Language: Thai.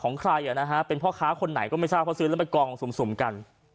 ของใครอ่ะนะฮะเป็นพ่อค้าคนไหนก็ไม่ใช่เพราะซื้อแล้วไปกองสุ่มสุ่มกัน